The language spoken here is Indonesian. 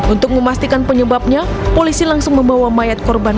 untuk memastikan penyebabnya polisi langsung membawa mayat korban